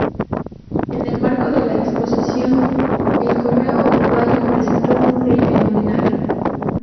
En el marco de la exposición, el Correo Uruguayo presentó un sello en homenaje.